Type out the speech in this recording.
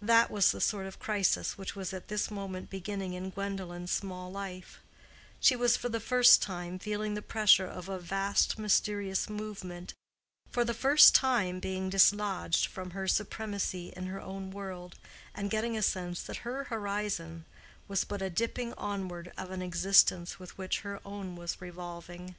That was the sort of crisis which was at this moment beginning in Gwendolen's small life: she was for the first time feeling the pressure of a vast mysterious movement, for the first time being dislodged from her supremacy in her own world, and getting a sense that her horizon was but a dipping onward of an existence with which her own was revolving.